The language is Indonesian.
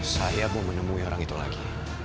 saya mau menemui orang itu lagi